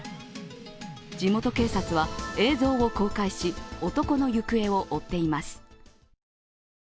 地元警察は、映像を公開し男の行方を追っています。